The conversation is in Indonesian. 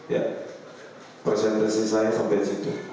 ya presentasi saya sampai disitu